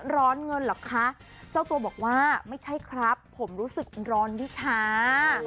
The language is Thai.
ร้อนเงินเหรอคะเจ้าตัวบอกว่าไม่ใช่ครับผมรู้สึกร้อนวิชา